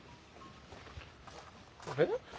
あれ？